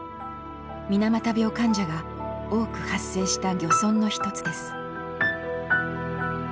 水俣病患者が多く発生した漁村の一つです。